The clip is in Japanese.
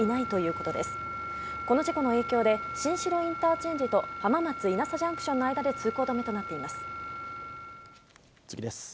この事故の影響で、新城インターチェンジと浜松いなさジャンクションの間で通行止め次です。